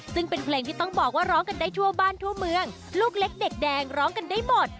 ซึ่งเป็นเพลงที่ต้องบอกว่าร้องกันได้ทั่วบ้านทั่วเมืองลูกเล็กเด็กแดงร้องกันได้หมด